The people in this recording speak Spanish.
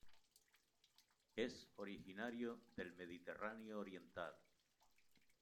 Es originario del Mediterráneo oriental.